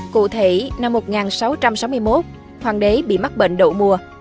cụ thể năm một nghìn sáu trăm sáu mươi một hoàng đế bị mắc bệnh đậu mùa